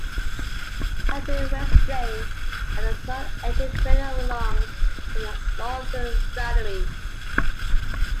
Hatfield Waste Drain and the North Engine Drain run along the northern boundary.